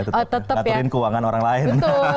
ngaturin keuangan orang lain